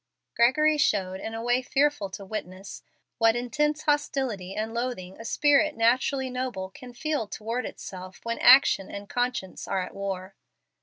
Gregory showed, in a way fearful to witness, what intense hostility and loathing a spirit naturally noble can feel toward itself when action and conscience are at war.